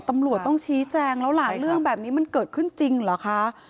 ตำรวจต้องชี้แจงแล้วล่ะเรื่องแบบนี้มันเกิดขึ้นจริงเหรอคะ